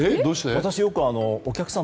私よく、お客さん